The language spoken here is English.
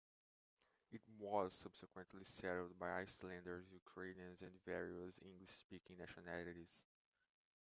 It was subsequently settled by Icelanders, Ukrainians and various English-speaking nationalities.